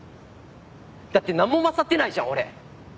だってなんも優ってないじゃん俺。